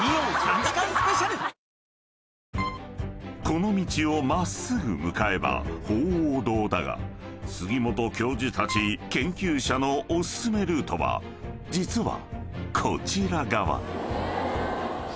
［この道を真っすぐ向かえば鳳凰堂だが杉本教授たち研究者のお薦めルートは実はこちら側］